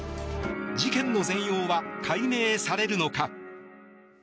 事件の全容は解明されるのか。